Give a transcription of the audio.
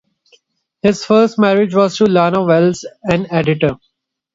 His first marriage was to Lana Wells, an editor.